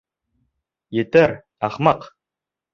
Етер, ахмаҡ!